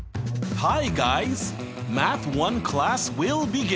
はい。